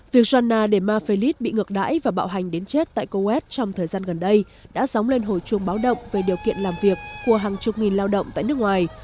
việc jonna để ma felix bị ngược đáy và bạo hành đến chết tại kuwait trong thời gian gần đây đã sóng lên hồi chuông báo động về điều kiện làm việc của hàng chục nghìn lao động tại nước ngoài